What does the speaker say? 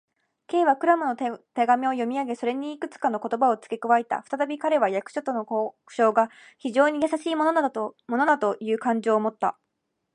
Ｋ はクラムの手紙を読みあげ、それにいくつかの言葉をつけ加えた。ふたたび彼は、役所との交渉が非常にやさしいものなのだという感情をもった。